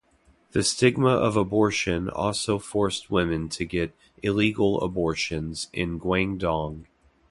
The stigma of abortion also forced women to get illegal abortions in Guangdong.